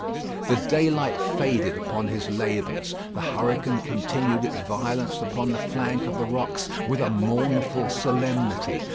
The daylight faded upon his labours. The hurricane continued its violence upon the flank of the rocks with a mournful solemnity.